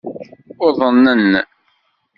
Uḍnen.